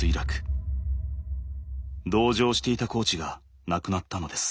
同乗していたコーチが亡くなったのです。